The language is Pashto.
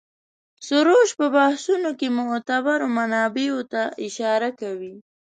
سروش په بحثونو کې معتبرو منابعو ته اشاره کوي.